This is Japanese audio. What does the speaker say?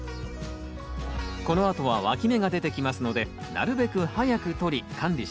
このあとはわき芽が出てきますのでなるべく早くとり管理します。